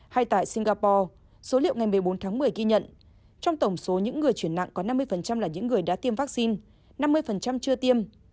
hay tại singapore số liệu ngày một mươi bốn tháng một mươi ghi nhận trong tổng số những người chuyển nặng có năm mươi là những người đã tiêm vaccine năm mươi chưa tiêm